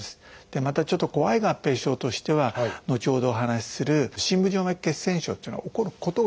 またちょっと怖い合併症としては後ほどお話しする「深部静脈血栓症」というのが起こることがあるんですね。